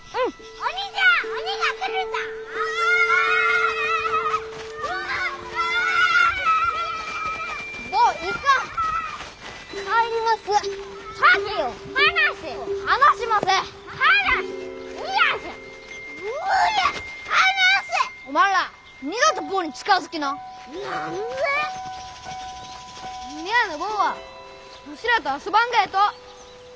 峰屋の坊はわしらと遊ばんがやと！